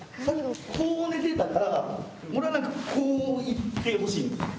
こう寝てたから俺はなんかこういってほしいの！